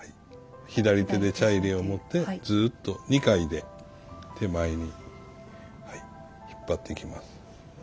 左手で茶入を持ってずっと２回で手前に引っ張っていきます。